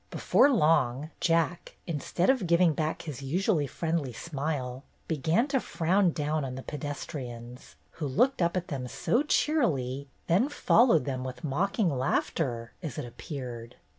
Before long Jack, instead of giving back his usually friendly smile, began to frown down on the pedestrians, who looked up at them so cheerily then followed them with mocking laughter, as it appeared.